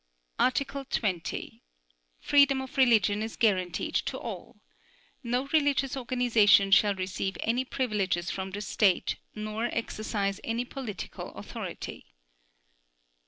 Article 20. Freedom of religion is guaranteed to all. No religious organization shall receive any privileges from the State nor exercise any political authority.